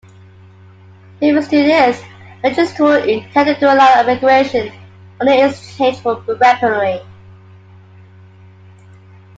Previous to this, Mengistu intended to allow emigration only in exchange for weaponry.